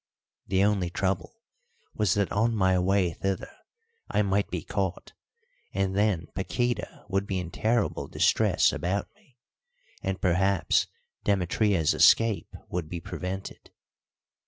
The only trouble was that on my way thither I might be caught, and then Paquíta would be in terrible distress about me, and perhaps Demetria's escape would be prevented.